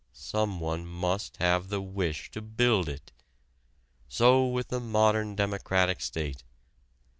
Someone must have the wish to build it. So with the modern democratic state.